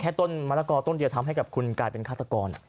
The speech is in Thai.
ต้นมะละกอต้นเดียวทำให้กับคุณกลายเป็นฆาตกร